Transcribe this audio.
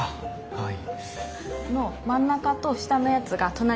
はい。